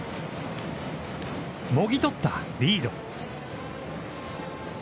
もぎとったリード。